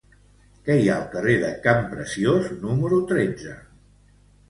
Què hi ha al carrer de Campreciós número tretze?